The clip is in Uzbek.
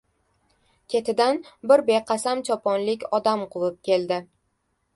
Ketidan bir beqasam choponlik odam quvib keldi.